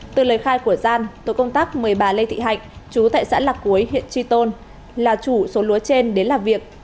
từ lời khai của gian tổ công tác mời bà lê thị hạnh chú tại xã lạc cuối huyện tri tôn là chủ số lúa trên đến làm việc